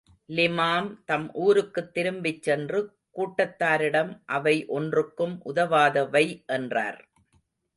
லிமாம் தம் ஊருக்குத் திரும்பிச் சென்று, கூட்டத்தாரிடம் அவை ஒன்றுக்கும் உதவாதவை என்றார்.